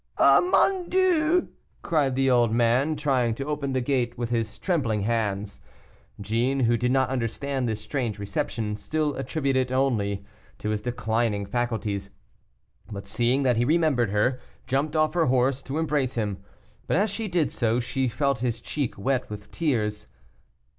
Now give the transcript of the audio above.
"Ah, mon Dieu!" cried the old man, trying to open the gate with his trembling hands. Jeanne, who did not understand this strange reception, still attributed it only to his declining faculties; but, seeing that he remembered her, jumped off her horse to embrace him, but as she did so she felt his cheek wet with tears.